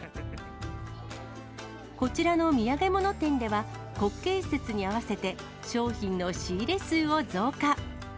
こちらの土産物店では、国慶節に合わせて、商品の仕入れ数を増加。